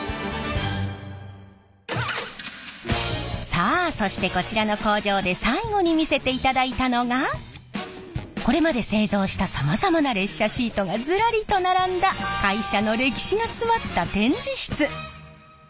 さあそしてこちらの工場で最後に見せていただいたのがこれまで製造したさまざまな列車シートがずらりと並んだ会社の歴史が詰まった展示室。